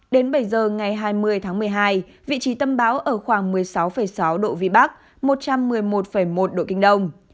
đến bảy giờ ngày hai mươi tháng một mươi hai vị trí tâm bão ở khoảng một mươi sáu sáu độ vĩ bắc một trăm một mươi một một độ kinh đông